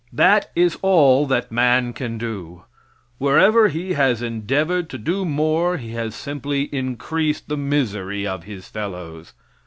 That is all that man can do. Wherever he has endeavored to do more he has simply increased the misery of his fellows.